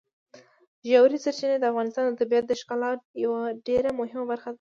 ژورې سرچینې د افغانستان د طبیعت د ښکلا یوه ډېره مهمه برخه ده.